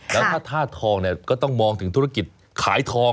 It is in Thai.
แล้วถ้าทาทองก็ต้องมองถึงธุรกิจขายทอง